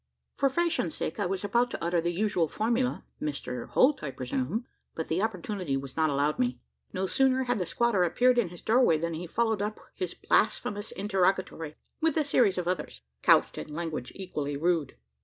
For fashion's sake, I was about to utter the usual formula, "Mr Holt, I presume?" but the opportunity was not allowed me. No sooner had the squatter appeared in his doorway, than he followed up his blasphemous interrogatory with a series of others, couched in language equally rude.